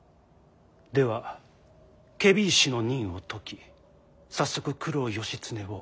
では検非違使の任を解き早速九郎義経を伊予守に。